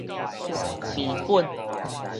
病本